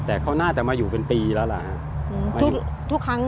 แต่เขาน่าจะมาอยู่เป็นปีแล้วล่ะทุกครั้ง